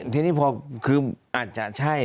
ทีนี้พอคืออาจจะใช่